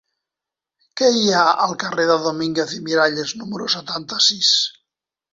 Què hi ha al carrer de Domínguez i Miralles número setanta-sis?